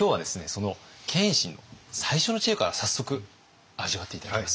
その謙信の最初の知恵から早速味わって頂きます。